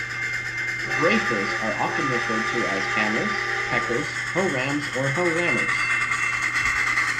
Breakers are often referred to as "hammers", "peckers", "hoe rams" or "hoe rammers.